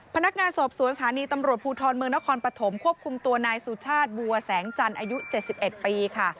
พนักงานสอบสวนสถานีตำรวจภูทรเมืองนครปฐมควบคุมตัวนายสุชาติบัวแสงจันทร์อายุ๗๑ปีค่ะ